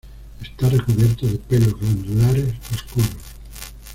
Está recubierto de pelos glandulares oscuros.